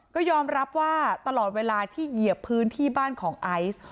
ก็ยอมรับว่าตลอดเวลาที่เหยียบพื้นที่บ้านของไอซ์